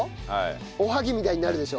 おはぎみたいになるでしょ？